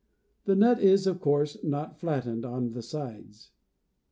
The nut is, of course, not flattened on the sides.